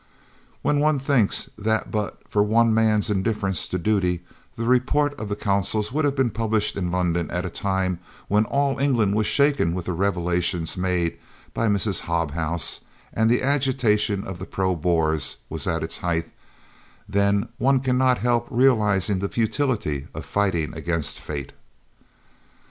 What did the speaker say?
When one thinks that but for one man's indifference to duty the report of the Consuls would have been published in London at a time when all England was shaken with the revelations made by Miss Hobhouse and the agitation of the pro Boers was at its height, then one cannot help realising the futility of fighting against Fate.